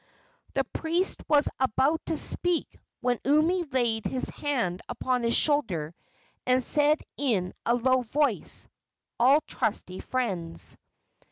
The priest was about to speak when Umi laid his hand upon his shoulder and said in a low voice: "All trusty friends."